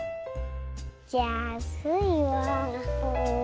じゃあスイは。